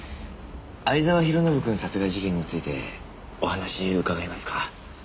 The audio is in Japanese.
藍沢弘信くん殺害事件についてお話伺えますか？